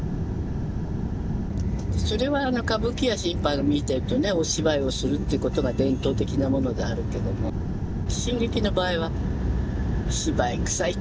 それは歌舞伎や新派見てるとねお芝居をするってことが伝統的なものであるけども新劇の場合は芝居くさいって言われるでしょ。